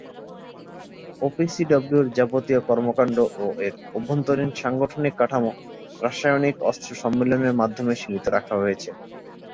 ওপিসিডব্লিউ’র যাবতীয় কর্মকাণ্ড ও এর অভ্যন্তরীণ সাংগঠনিক কাঠামো রাসায়নিক অস্ত্র সম্মেলনের মাধ্যমে সীমিত রাখা হয়েছে।